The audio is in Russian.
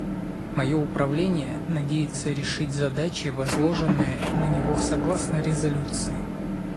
Мое Управление надеется решить задачи, возложенные на него согласно резолюции.